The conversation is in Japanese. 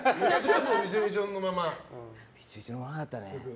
びちょびちょのままだったね。